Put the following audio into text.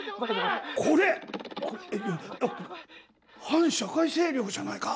反社会勢力じゃないか！